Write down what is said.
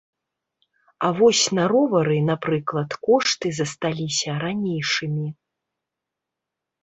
А вось на ровары, напрыклад, кошты засталіся ранейшымі.